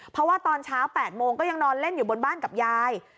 เพราะว่าตอนเช้า๘โมงก็ยังนอนเล่นอยู่บนบ้านกับยาย